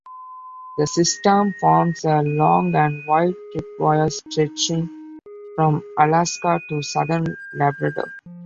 The system forms a long and wide "tripwire" stretching from Alaska to southern Labrador.